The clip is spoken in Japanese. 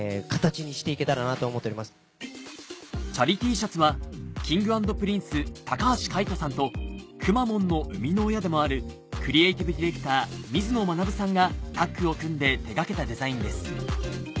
ホントこの。はＫｉｎｇ＆Ｐｒｉｎｃｅ橋海人さんとくまモンの生みの親でもあるクリエーティブディレクター水野学さんがタッグを組んで手掛けたデザインです